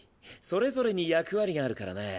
それぞれに役割があるからね。